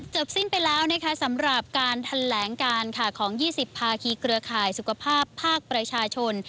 สิ้นไปแล้วนะคะสำหรับการแถลงการของ๒๐ภาคีเครือข่ายสุขภาพภาคประชาชน